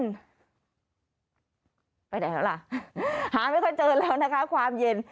ไปแล้วล่ะหาไม่ค่อยเจอแล้วนะคะความเย็น